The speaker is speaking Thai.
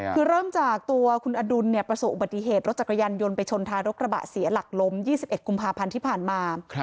คือเริ่มจากตัวคุณอดุลประสบอุบัติเหตุรถจักรยานยนต์ไปชนท้ายรถกระบะเสียหลักล้ม๒๑กุมภาพันธ์ที่ผ่านมา